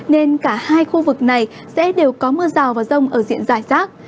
nên cả hai khu vực này sẽ đều có mưa rào và rông ở diện giải rác